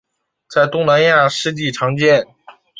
在东南亚湿地常见。